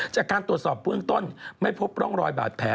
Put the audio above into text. จากการตรวจสอบเบื้องต้นไม่พบร่องรอยบาดแผล